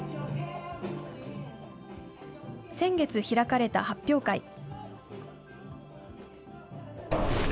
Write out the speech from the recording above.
先月、開かれた発表会。